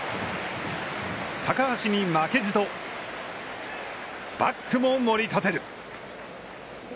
高橋に負けじと、バックももり立てる。